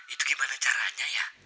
itu gimana caranya ya